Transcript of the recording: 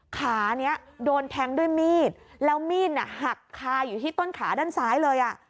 ขานี้โดนแทงด้วยมีดแล้วมีดหักคาอยู่ที่ต้นขาด้านซ้ายเลยอ่ะ